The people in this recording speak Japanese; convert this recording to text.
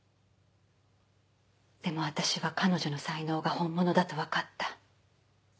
でも私は彼女の才能が本物だとわかった。